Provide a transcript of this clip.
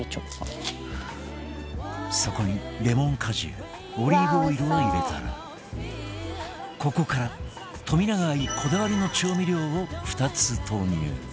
そこにレモン果汁オリーブオイルを入れたらここから冨永愛こだわりの調味料を２つ投入